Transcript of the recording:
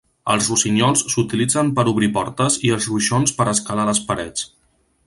Els rossinyols s'utilitzen per obrir portes i els ruixons per escalar les parets.